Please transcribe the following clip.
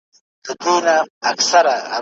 تا ته اوس هم شرابونه قمارونه